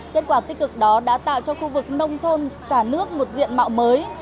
kết quả tích cực đó đã tạo cho khu vực nông thôn cả nước một diện mạo mới